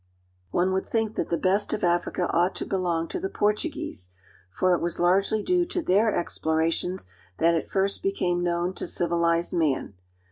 One would think that the best of Africa ought to be long to the Portuguese ; for it was largely due to their explorations that it first became known to civilized man.